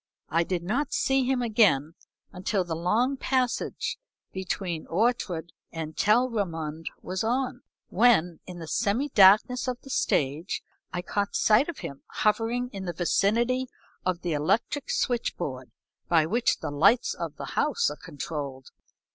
I did not see him again until the long passage between Ortrud and Telrammund was on, when, in the semi darkness of the stage, I caught sight of him hovering in the vicinity of the electric switch board by which the lights of the house are controlled.